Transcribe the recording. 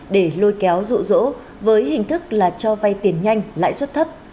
để lôi kéo rụ rỗ với hình thức là cho vay tiền nhanh lãi suất thấp